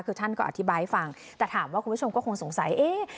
คือท่านก็อธิบายให้ฟังแต่ถามว่าคุณผู้ชมก็คงสงสัยเอ๊ะ